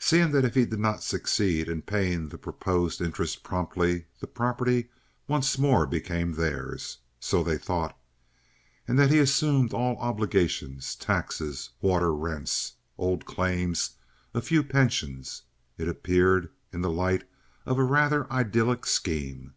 Seeing that if he did not succeed in paying the proposed interest promptly the property once more became theirs, so they thought, and that he assumed all obligations—taxes, water rents, old claims, a few pensions—it appeared in the light of a rather idyllic scheme.